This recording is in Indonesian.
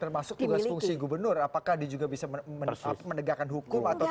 termasuk tugas fungsi gubernur apakah dia juga bisa menegakkan hukum atau tidak